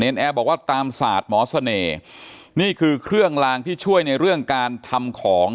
แอร์บอกว่าตามศาสตร์หมอเสน่ห์นี่คือเครื่องลางที่ช่วยในเรื่องการทำของ